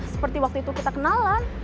seperti waktu itu kita kenalan